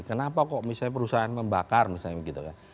kenapa kok misalnya perusahaan membakar misalnya begitu kan